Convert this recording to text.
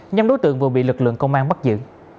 nhóm đối tượng vừa bị lực lượng công an bắt giữ